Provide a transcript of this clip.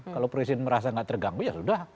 kalau presiden merasa nggak terganggu ya sudah